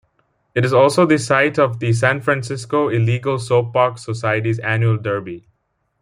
It is also the site of the San Francisco Illegal Soapbox Society's annual derby.